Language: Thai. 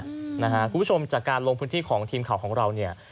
คุณผู้ชมจากการลงพื้นที่ของทีมข่าวของเราเนี่ย